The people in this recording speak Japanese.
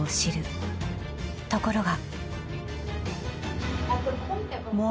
［ところが］